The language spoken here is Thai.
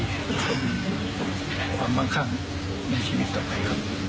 และมีความบังคังในชีวิตต่อไป